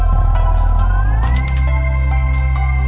โปรดติดตามต่อไป